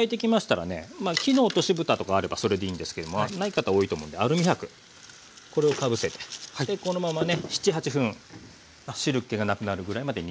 木の落としぶたとかあればそれでいいんですけどもない方多いと思うんでアルミ箔これをかぶせてこのままね７８分汁けがなくなるぐらいまで煮てっていきましょうね。